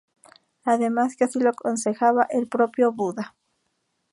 Además que así lo aconsejaba el propio Buda.